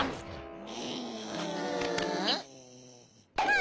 あ。